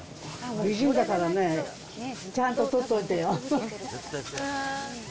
美人だからね、ちゃんと撮っといてよ。